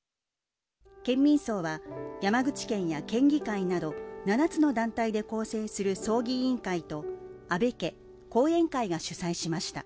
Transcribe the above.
県民葬は、山口県や県議会など７つの団体で構成する葬儀委員会と、安倍家、後援会が主催しました。